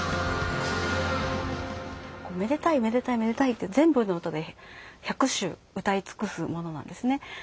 「めでたいめでたいめでたい」って全部の歌で百首歌い尽くすものなんですね。